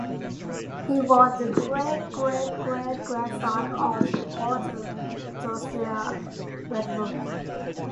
He was the great-great-great-grandson of the potter Josiah Wedgwood.